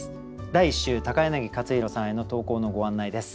第１週柳克弘さんへの投稿のご案内です。